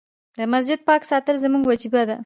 د مسجد پاک ساتل زموږ وجيبه ده.